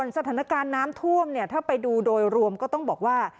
สถานการณ์น้ำท่วมถ้าไปดูโดยรวมก็ต้องบอกว่า